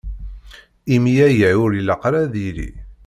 Imi aya ur ilaq ara ad d-yili.